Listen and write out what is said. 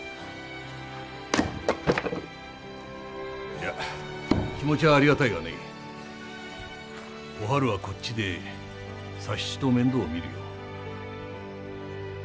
いや気持ちはありがたいがねおはるはこっちで佐七と面倒をみるよ。